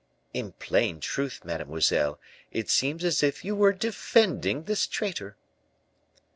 "In plain truth, mademoiselle, it seems as if you were defending this traitor."